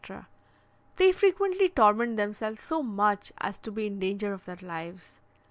They frequently torment themselves so much as to be in danger of their lives.